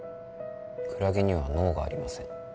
クラゲには脳がありません